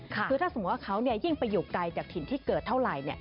คือถ้าสมมุติว่าเขายิ่งไปอยู่ไกลจากถิ่นที่เกิดเท่าไหร่